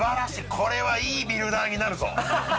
これはいいビルダーになるぞ